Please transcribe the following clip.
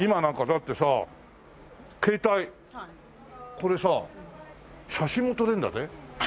これさ写真も撮れるんだぜ？